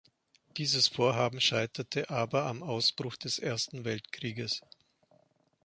Dieses Vorhaben scheiterte aber am Ausbruch des Ersten Weltkrieges.